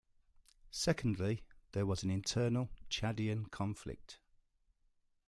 Secondly, there was an internal Chadian conflict.